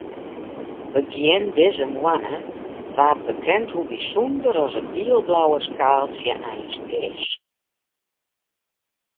Begjin dizze moanne waard bekend hoe bysûnder as it giel-blauwe skaaltsje eins is.